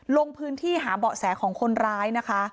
ลงพื้นที่หาเบาะแสของคนร้ายนะคะ